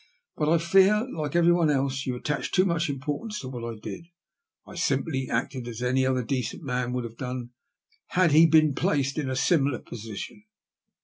" But I fear, like everyone else, you attach too much importance to what I did. I simply acted as any other decent man would have done had he been placed in a similar position."